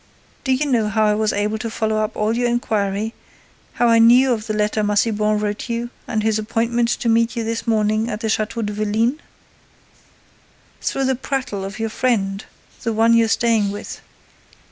Do you know how I was able to follow up all your inquiry, how I knew of the letter Massiban wrote you and his appointment to meet you this morning at the Château de Vélines? Through the prattle of your friend, the one you're staying with.